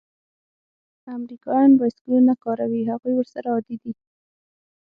امریکایان بایسکلونه کاروي؟ هغوی ورسره عادي دي.